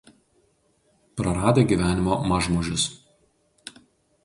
Praradę gyvenimo mažmožius